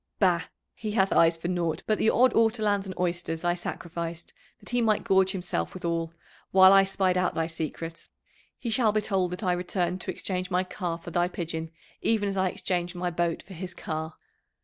"Bah! he hath eyes for naught but the odd ortolans and oysters I sacrificed that he might gorge himself withal, while I spied out thy secret. He shall be told that I returned to exchange my car for thy pigeon even as I exchanged my boat for his car.